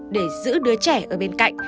để giữ đứa trẻ ở bên cạnh